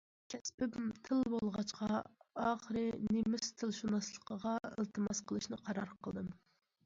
كەسپىم تىل بولغاچقا، ئاخىرى نېمىس تىلشۇناسلىقىغا ئىلتىماس قىلىشنى قارار قىلدىم.